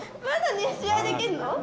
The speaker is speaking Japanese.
まだ試合できるの？